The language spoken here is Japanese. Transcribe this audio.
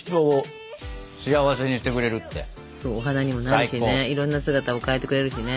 お花にもなるしねいろんな姿に変えてくれるしね。